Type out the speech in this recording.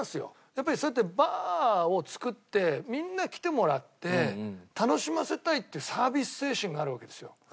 やっぱりそうやってバーを作ってみんなに来てもらって楽しませたいっていうサービス精神があるわけですよ。